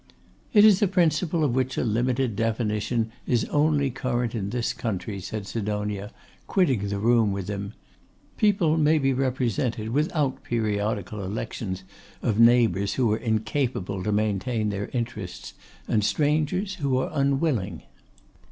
'It is a principle of which a limited definition is only current in this country,' said Sidonia, quitting the room with him. 'People may be represented without periodical elections of neighbours who are incapable to maintain their interests, and strangers who are unwilling.